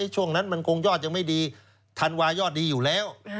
ช่วงนั้นมันคงยอดยังไม่ดีธันวายอดดีอยู่แล้ว